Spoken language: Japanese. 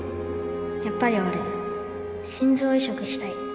やっぱり俺心臓移植したい